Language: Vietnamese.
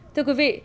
thưa quý vị